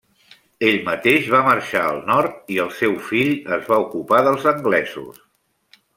Ell mateix va marxar al nord i el seu fill es va ocupar dels anglesos.